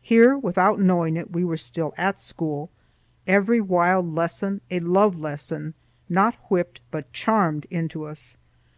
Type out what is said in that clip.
Here without knowing it we still were at school; every wild lesson a love lesson, not whipped but charmed into us.